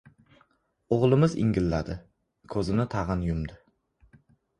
O‘g‘limiz ingilladi. Ko‘zini tag‘in yumdi.